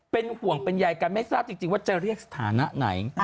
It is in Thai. เป็นห่วงเป็นใยกันไม่ทราบจริงว่าจะเรียกสถานะไหน